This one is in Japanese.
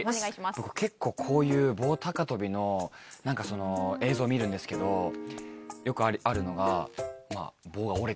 僕結構棒高跳びの映像見るんですけどよくあるのが棒が折れちゃう。